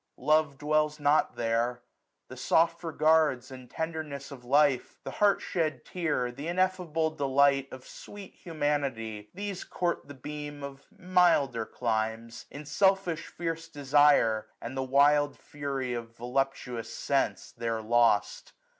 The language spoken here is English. Love dwells not there ; 890 The soft regards, the tenderness of life. The heart shed tear, th* ineffable delight Of sweet humanity ; these court the beam Of milder climes ; in selfish fierce desire. And the wild fury of voluptuous sense, 895 There lost.